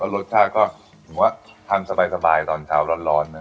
รสชาติก็ถือว่าทานสบายตอนเช้าร้อนนะ